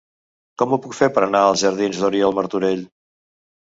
Com ho puc fer per anar als jardins d'Oriol Martorell?